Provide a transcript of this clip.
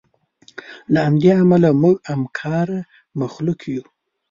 له همدې امله موږ همکاره مخلوق یو.